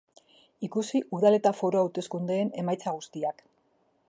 Ikusi udal eta foru hauteskundeen emaitza guztiak.